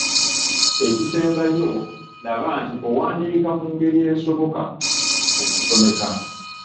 Ekisembayo laba nti owandiika mu ngeri esoboka okusomeka.